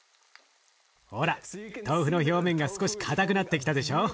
ほら豆腐の表面が少し硬くなってきたでしょ。